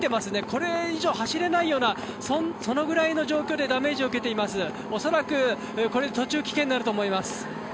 これ以上走れないようなそのぐらいの状況で恐らく途中棄権になると思います。